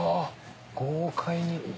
豪快に。